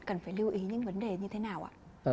cần phải lưu ý những vấn đề như thế nào ạ